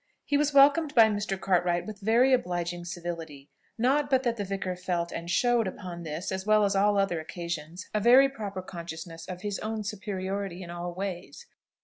He was welcomed by Mr. Cartwright with very obliging civility; not but that the vicar felt and showed, upon this, as well as all other occasions, a very proper consciousness of his own superiority in all ways.